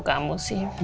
aku mau tidur